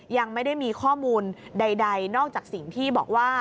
ยังไม่ได้มีข้อมูลใดนอกจากสิ่งที่บอกว่า